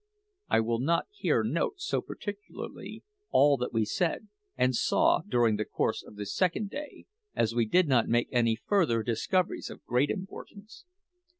I will not here note so particularly all that we said and saw during the course of this second day, as we did not make any further discoveries of great importance.